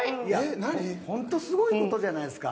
本当にすごいことじゃないですか。